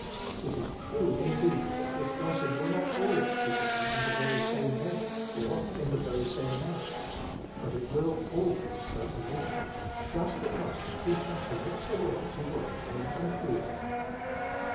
It is true, indeed, that this blessing will not always be given in the very same measure or in the very same manner, but it will always certainly come : just because the preacher permits the Lord to work in and through him.